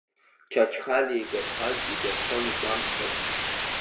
Чачхалиа игәаԥхаз дигәаԥхон, игәамԥхаз.